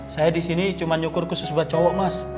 saya disini cuma nyukur khusus buat cowok mas